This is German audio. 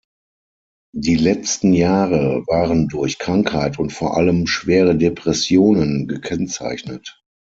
Die letzten Jahre waren durch Krankheit und vor allem schwere Depressionen gekennzeichnet.